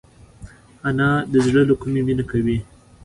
انا د زړه له کومي مینه کوي